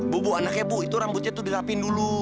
bubu anaknya bu itu rambutnya tuh dilapin dulu